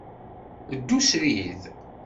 Ddu srid.